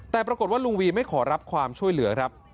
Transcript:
แต่ปรากฏว่าลุงวีไม่ขอรับความช่วยเหลือครับ